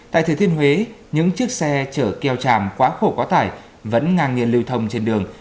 tại thứ thiên huế những chiếc xe chở keo chàm quá khổ quá tải vẫn ngang nghiêng lưu thông trên đường